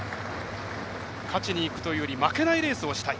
勝ちにいくというより負けないレースをしたい。